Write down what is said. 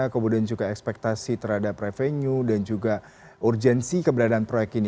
kemudian juga ekspektasi terhadap revenue dan juga urgensi keberadaan proyek ini